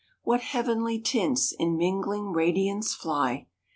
What heavenly tints in mingling radiance fly!